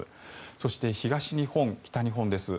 そして、東日本、北日本です。